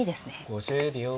５０秒。